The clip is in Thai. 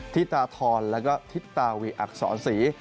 ทิตาทอนและก็ทิตาวิอักษรศรี